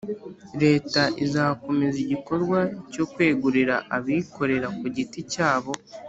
leta izakomeza igikorwa cyo kwegurira abikorera ku giti cyabo